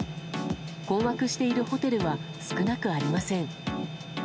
困惑しているホテルは少なくありません。